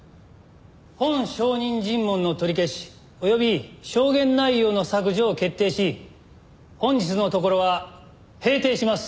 本証人尋問の取り消し及び証言内容の削除を決定し本日のところは閉廷します。